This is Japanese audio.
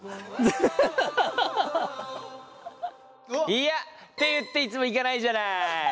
いやって言っていつも行かないじゃない。